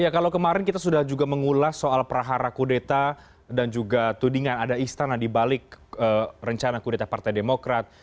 ya kalau kemarin kita sudah juga mengulas soal prahara kudeta dan juga tudingan ada istana dibalik rencana kudeta partai demokrat